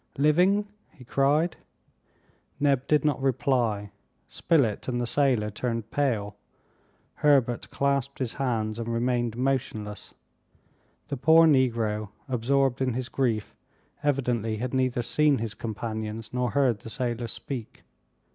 "Living?" he cried. Neb did not reply. Spilett and the sailor turned pale. Herbert clasped his hands, and remained motionless. The poor Negro, absorbed in his grief, evidently had neither seen his companions nor heard the sailor speak.